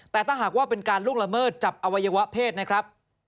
แต่ถ้าหากว่าเป็นการล่วงละเมิดจับอวัยวะเพศนะครับ